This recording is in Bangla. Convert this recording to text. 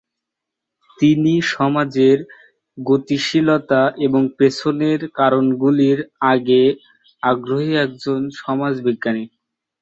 তিনি সমাজের গতিশীলতা এবং পেছনের কারণগুলির সাথে আগ্রহী একজন সমাজ বিজ্ঞানী।